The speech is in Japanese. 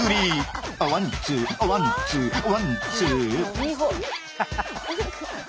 あワンツーあワンツーあワンツー。